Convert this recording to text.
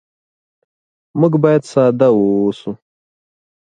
موږ باید ساده واوسو.